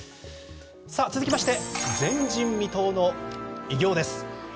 続きまして前人未到の偉業です。